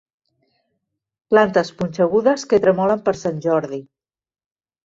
Plantes punxegudes que tremolen per sant Jordi.